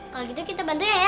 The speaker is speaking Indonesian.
kalau gitu kita bantuin ya ya